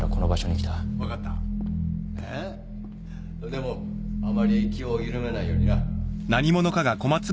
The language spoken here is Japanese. でもあまり気を緩めないようにな